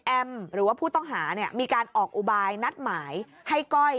หรือว่าผู้ต้องหามีการออกอุบายนัดหมายให้ก้อย